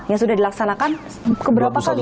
yang sudah dilaksanakan ke berapa kali